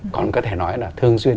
còn có thể nói là thường xuyên